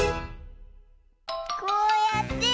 こうやって。